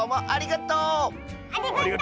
ありがとう！